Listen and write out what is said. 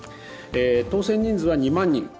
当せん人数は２万人。